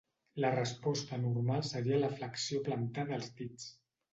La resposta normal seria la flexió plantar dels dits.